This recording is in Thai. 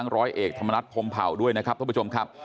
ร้อยเอกธรรมนัฐพรมเผาด้วยนะครับท่านผู้ชมครับ